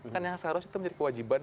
kan yang seharusnya itu menjadi kewajiban